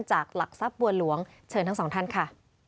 หลักทรัพย์บัวหลวงเชิญทั้งสองท่านค่ะ